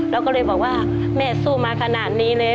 เราก็เลยบอกว่าแม่สู้มาขนาดนี้เลย